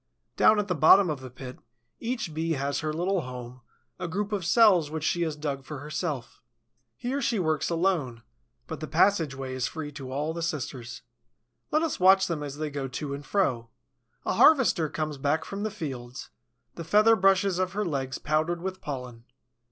Down at the bottom of the pit, each Bee has her little home, a group of cells which she has dug for herself. Here she works alone; but the passage way is free to all the sisters. Let us watch them as they go to and fro. A harvester comes back from the fields, the feather brushes of her legs powdered with pollen.